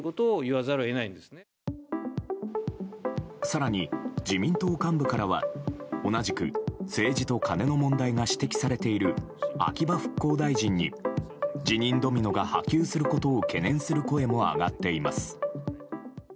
更に、自民党幹部からは同じく政治とカネの問題が指摘されている秋葉復興大臣に辞任ドミノが波及することを懸念する声も上がっています。